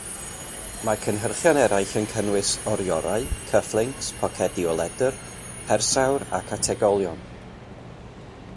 Mae cynhyrchion eraill yn cynnwys oriorau, cyfflincs, pocedi o ledr, persawr ac ategolion.